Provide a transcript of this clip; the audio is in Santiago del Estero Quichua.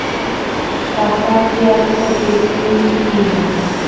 qasapi achka quirquinchu tiyan